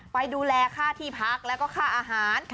ไปดูแลค่าที่พักแล้วก็ค่าอาหาร